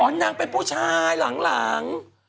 นางเป็นผู้ชายหลัง